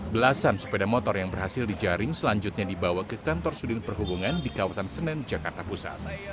belasan sepeda motor yang berhasil dijaring selanjutnya dibawa ke kantor sudin perhubungan di kawasan senen jakarta pusat